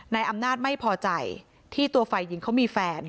นายอำนาจไม่พอใจที่ตัวฝ่ายหญิงเขามีแฟน